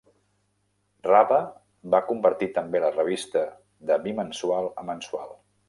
Rabe va convertir també la revista de bimensual a mensual.